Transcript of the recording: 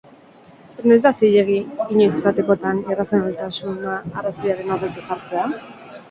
Noiz da zilegi, inoiz izatekotan, irrazionaltasuna arrazoiaren aurretik jartzea?